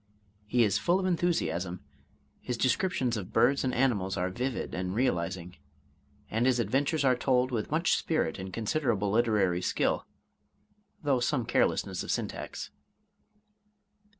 He is full of enthusiasm, his descriptions of birds and animals are vivid and realizing, and his adventures are told with much spirit and considerable literary skill, though some carelessness of syntax.